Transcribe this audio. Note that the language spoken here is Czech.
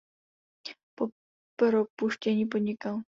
Po propuštění podnikal.